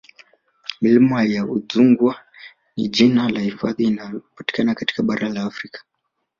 Milima ya Udzungwa ni jina la hifadhi inayopatikana katika bara la Afrika